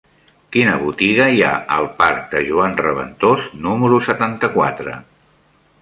Quina botiga hi ha al parc de Joan Reventós número setanta-quatre?